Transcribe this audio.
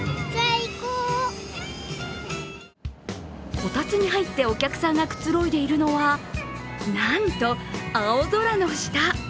こたつに入ってお客さんがくつろいでいるのはなんと、青空の下。